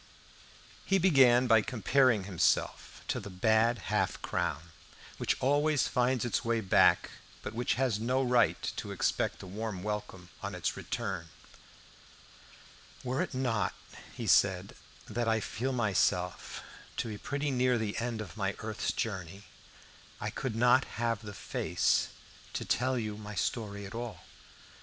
He began by comparing himself to the bad half crown, which always finds its way back, but which has no right to expect a warm welcome on its return. "Were it not," said he, "that I feel myself to be pretty near the end of my earth's journey, I could not have the face to tell you my story at all.